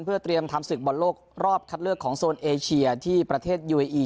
เพื่อเตรียมทำศึกบอลโลกรอบคัดเลือกของโซนเอเชียที่ประเทศยูเออี